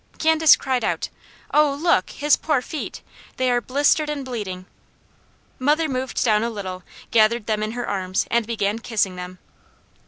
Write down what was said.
Candace cried out: "Oh look, his poor feet! They are blistered and bleeding!" Mother moved down a little, gathered them in her arms, and began kissing them.